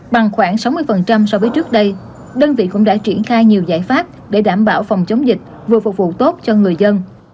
bằng khoảng sáu mươi so với trước đây đơn vị cũng đã triển khai nhiều giải pháp để đảm bảo phòng chống dịch vừa phục vụ tốt cho người dân